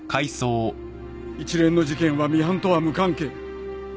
一連の事件はミハンとは無関係